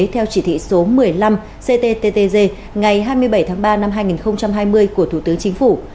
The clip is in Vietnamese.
theo chỉ thị số một mươi năm cttg ngày hai mươi bảy tháng ba năm hai nghìn hai mươi của thủ tướng chính phủ